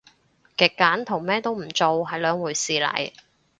極簡同咩都唔做係兩回事嚟